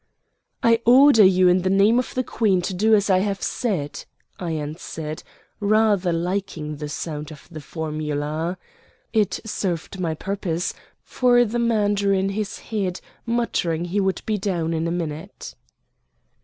"I order you in the name of the Queen to do as I have said," I answered, rather liking the sound of the formula. It served my purpose, for the man drew in his head muttering he would be down in a minute.